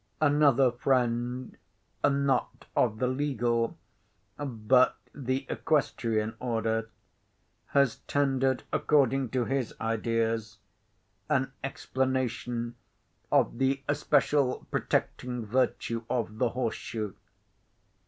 Another friend, not of the legal, but the equestrian order, has tendered, according to his ideas, an explanation of the especial protecting virtue of the horseshoe.